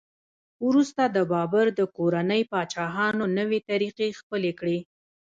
وروسته د بابر د کورنۍ پاچاهانو نوې طریقې خپلې کړې.